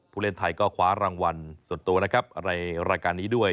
เล่นไทยก็คว้ารางวัลส่วนตัวนะครับในรายการนี้ด้วย